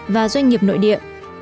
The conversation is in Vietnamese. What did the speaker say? và doanh nghiệp nội địa